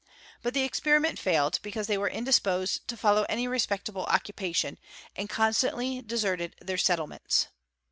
But the 'experiment failed, because they were indisposed to follow any respectable EL DRA TR DCC apation, and constantly deserted their settlements.